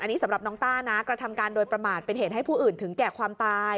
อันนี้สำหรับน้องต้านะกระทำการโดยประมาทเป็นเหตุให้ผู้อื่นถึงแก่ความตาย